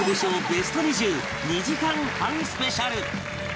ベスト２０２時間半スペシャル